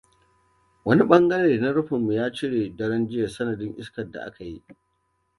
Wani ɓangare na rufinmu ya cire daren jiya sanadin iskar da aka yi.